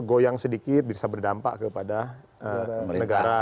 goyang sedikit bisa berdampak kepada negara